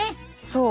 そう。